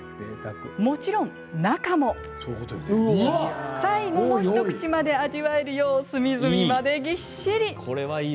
もちろん中も最後の一口まで味わえるよう隅々までぎっしり。